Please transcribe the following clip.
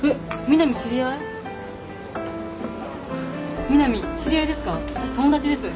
南知り合いですか？